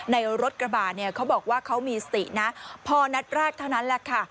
รถกระบะเนี่ยเขาบอกว่าเขามีสตินะพอนัดแรกเท่านั้นแหละค่ะ